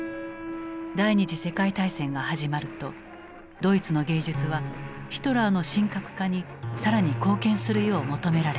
第二次世界大戦が始まるとドイツの芸術はヒトラーの神格化に更に貢献するよう求められた。